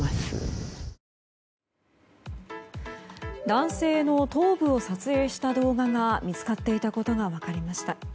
男性の頭部を撮影した動画が見つかっていたことが分かりました。